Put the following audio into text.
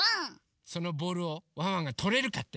そのボールをワンワンがとれるかって？